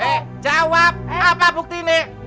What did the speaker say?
eh jawab apa bukti ini